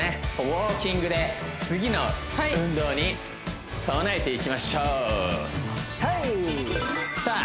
ウォーキングで次の運動に備えていきましょうはいさあ